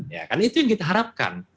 ya kan itu yang kita harapkan